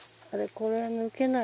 これ抜けない。